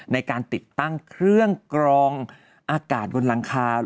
ในการติดตั้งเครื่องกรองอากาศบนหลังคา